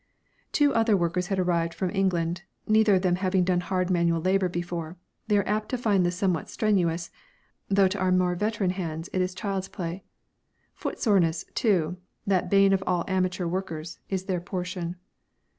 Two other workers have arrived from England; neither of them having done hard manual labour before, they are apt to find this somewhat strenuous, though to our more veteran hands it is child's play. Footsoreness, too, that bane of all amateur workers, is their portion.